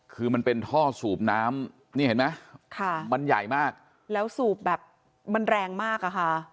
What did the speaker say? คือมันเป็นท่อสูบน้ำนี่เห็นไหมค่ะมันใหญ่มากแล้วสูบแบบมันแรงมากอะค่ะ